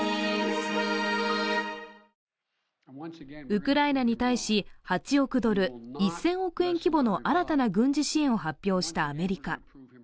ウクライナに対し８億ドル、１０００億円規模の新たな軍事支援を発表したアメリカ。